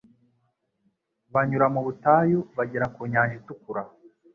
banyura mu butayu bagera ku nyanja itukura